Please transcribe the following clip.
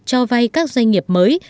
cho vay các doanh nghiệp mới